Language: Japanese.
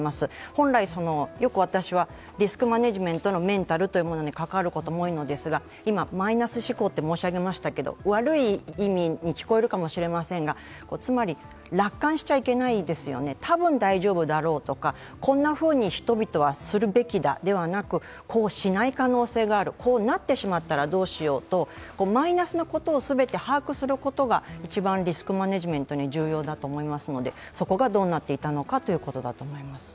本来、よく私はリスクマネジメントのメンタルに関わることも多いのですが、今マイナス思考と申し上げましたけど悪い意味に聞こえるかもしれませんが、つまり、楽観しちゃいけないですよね、多分大丈夫だろうとか、こんなふうに人々はするべきだではなくこうしない可能性がある、こうなってしまったらどうしようとマイナスのことを全て把握することが一番リスクマネジメントに重要だと思いますのでそこがどうなっていたのかということだと思います。